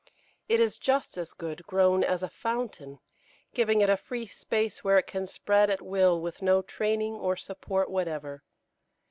It is just as good grown as a "fountain," giving it a free space where it can spread at will with no training or support whatever.